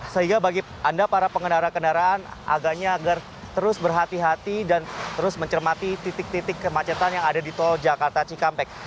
sehingga bagi anda para pengendara kendaraan agarnya agar terus berhati hati dan terus mencermati titik titik kemacetan yang ada di tol jakarta cikampek